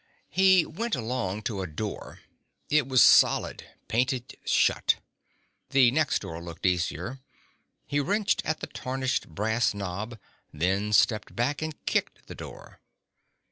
He went along to a door. It was solid, painted shut. The next door looked easier. He wrenched at the tarnished brass nob, then stepped back and kicked the door.